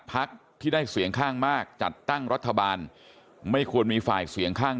พักที่ได้เสียงข้างมากจัดตั้งรัฐบาลไม่ควรมีฝ่ายเสียงข้าง